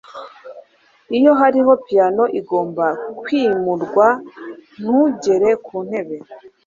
iyo hariho piyano igomba kwimurwa, ntugere kuntebe